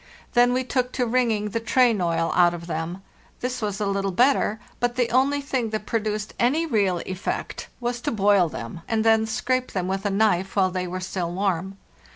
Then we took to wringing the train oil out of them. This was a little better; but the only thing that produced any real effect was to boil them, and then scrape them with a knife while they were still warm.